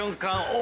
「お！」